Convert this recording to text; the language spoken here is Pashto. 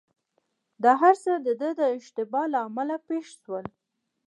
دا هرڅه دده د اشتباه له امله پېښ شول.